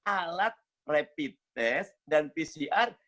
alat rapid test dan pcr